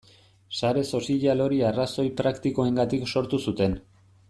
Sare sozial hori arrazoi praktikoengatik sortu zuten.